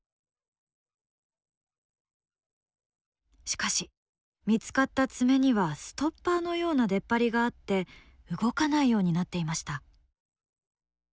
しかし見つかった爪にはストッパーのような出っ張りがあって動かないようになっていました。